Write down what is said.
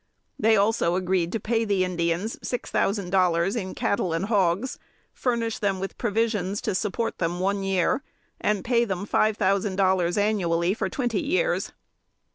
They also agreed to pay the Indians six thousand dollars in cattle and hogs, furnish them with provisions to support them one year, and pay them five thousand dollars annually for twenty years.